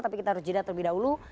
tapi kita harus jeda terlebih dahulu